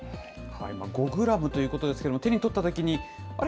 ５グラムということですけども、手に取ったときに、あれ？